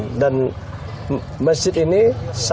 masjid ini ini adalah masjid yang dibangun oleh sultan